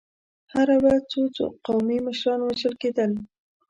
هره ورځ څو څو قومي مشران وژل کېدل.